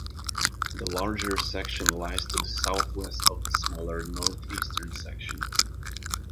The larger section lies to the southwest of the smaller northeastern section.